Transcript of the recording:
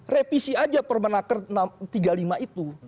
revisi aja permenaker tiga puluh lima itu